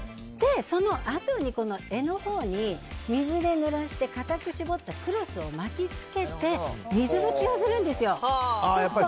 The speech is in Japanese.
そのあとに柄のほうに水で濡らして硬く絞ったクロスを巻き付けて水拭きをするんですよ。